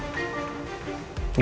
pas buat lo